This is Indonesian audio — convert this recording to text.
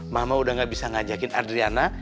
mama udah gak bisa ngajakin adriana